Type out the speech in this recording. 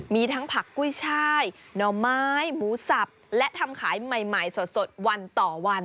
มีทั้งผักกุ้ยช่ายหน่อไม้หมูสับและทำขายใหม่สดวันต่อวัน